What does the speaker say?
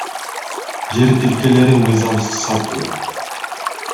Жер тилкелерин мыйзамсыз сатуу